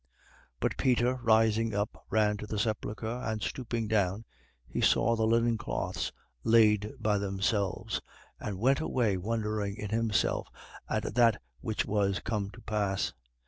24:12. But Peter rising up, ran to the sepulchre and, stooping down, he saw the linen cloths laid by themselves: and went away wondering in himself at that which was come to pass.